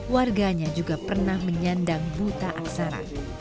warganya juga pernah menyandang buta aksara